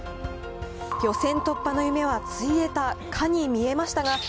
予選突破の夢はついえたかに見えましたが、